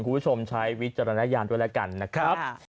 คุณผู้ชมใช้วิจารณญาณด้วยแล้วกันนะครับ